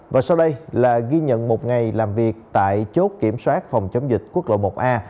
và sau đây là ghi nhận một ngày làm việc tại chốt kiểm soát phòng chống dịch quốc lộ một a